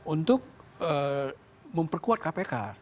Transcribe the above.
untuk memperkuat kpk